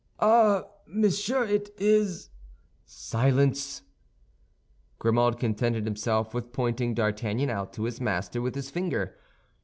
"Ah, monsieur, it is—" "Silence!" Grimaud contented himself with pointing D'Artagnan out to his master with his finger.